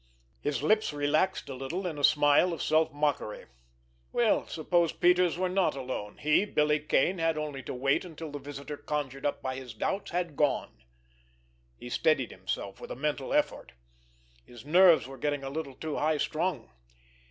His lips relaxed a little in a smile of self mockery. Well, suppose Peters were not alone he, Billy Kane, had only to wait until the visitor conjured up by his doubts had gone. He steadied himself with a mental effort. His nerves were getting a little too high strung.